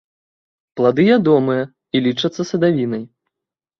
Плады ядомыя і лічацца садавінай.